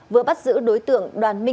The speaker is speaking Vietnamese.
vừa bắt giữ đối tượng đoàn minh kiên